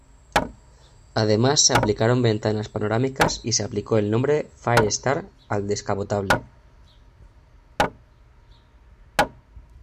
Además, se aplicaron ventanas panorámicas y se aplicó el nombre Fire Star al descapotable.